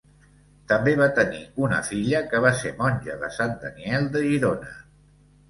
També va tenir una filla que va ser monja de Sant Daniel de Girona.